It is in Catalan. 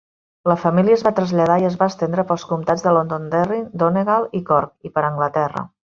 La família es va traslladar i es va estendre pels comtats de Londonderry, Donegal i Cork, i per Anglaterra.